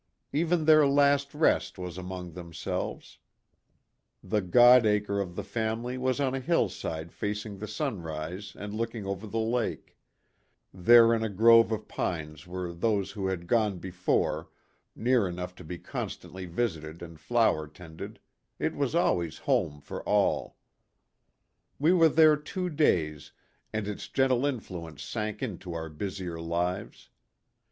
Even their last rest was among themselves ; 8o PLAY AND WORK. the " God's acre " of the family was on a hillside facing the sunrise and looking over the lake ; there in a grove of pines were those who had "gone before," near enough to be constantly visited and flower tended it was always home for all. We were there two days and its gentle influ ence sank into our busier lives.